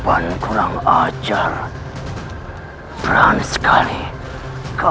untuk rai surawisasa